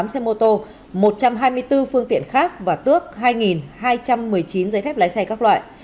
ba hai trăm bảy mươi tám xe mô tô một trăm hai mươi bốn phương tiện khác và tước hai hai trăm một mươi chín giấy phép lấy